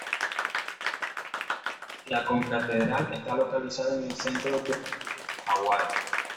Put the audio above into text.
La concatedral está localizada en en el centro de Honolulu, Hawái.